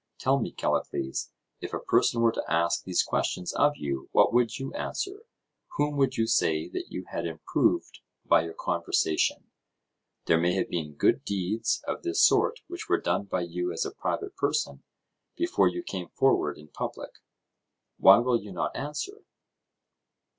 Tell me, Callicles, if a person were to ask these questions of you, what would you answer? Whom would you say that you had improved by your conversation? There may have been good deeds of this sort which were done by you as a private person, before you came forward in public. Why will you not answer?